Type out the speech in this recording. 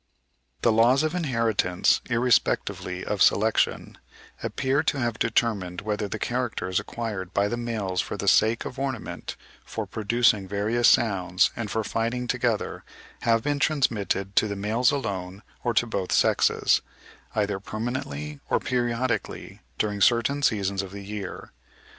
The laws of inheritance, irrespectively of selection, appear to have determined whether the characters acquired by the males for the sake of ornament, for producing various sounds, and for fighting together, have been transmitted to the males alone or to both sexes, either permanently, or periodically during certain seasons of the year.